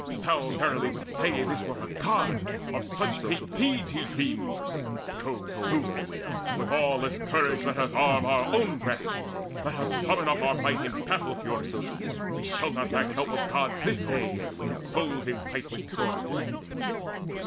Thou verily wouldst say This were a God, of such great deeds he dreams! Go to, with aweless courage let us arm Our own breasts: let us summon up our might In battle fury. We shall lack not help Of Gods this day to close in fight with Troy."